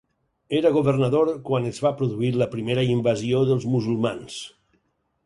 Era governador quan es va produir la primera invasió dels musulmans.